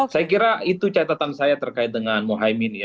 saya kira itu catatan saya terkait dengan mohaimin ya